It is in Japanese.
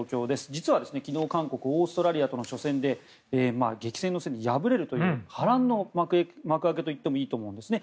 実は昨日、韓国オーストラリアとの初戦で激戦の末に敗れるという波乱の幕開けといってもいいと思うんですね。